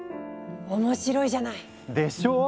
面白いじゃない！でしょう？